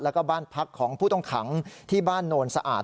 แล้วก็บ้านพักของผู้ต้องขังที่บ้านโนนสะอาด